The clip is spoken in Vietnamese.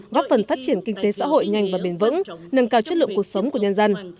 góp phần phát triển kinh tế xã hội nhanh và bền vững nâng cao chất lượng cuộc sống của nhân dân